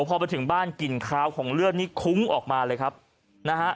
พอไปถึงบ้านกลิ่นคาวของเลือดนี่คุ้งออกมาเลยครับนะฮะ